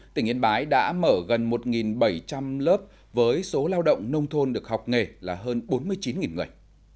tỉnh yên bái đã mở gần một bảy trăm linh lớp với số lao động nông thôn được học nghề là hơn bốn mươi chín người